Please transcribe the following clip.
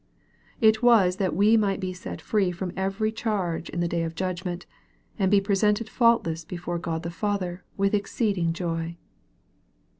It was that we might be set free from every charge in the day of judgment, and be presented faultless before God the Father with exceeding joy.